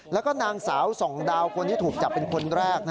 แล้วก็นางสาวส่องดาวคนที่ถูกจับเป็นคนแรก